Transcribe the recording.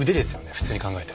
普通に考えて。